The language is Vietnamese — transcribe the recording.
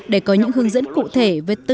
để có những hướng dẫn cụ thể